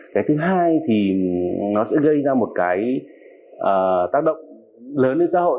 cái thứ hai thì nó sẽ gây ra một cái tác động lớn lên xã hội